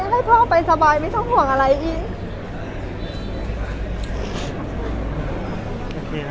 ให้พ่อไปสบายไม่ต้องห่วงอะไรอีก